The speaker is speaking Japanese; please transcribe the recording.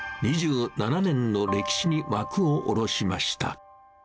２７年の歴史に幕を下ろしました。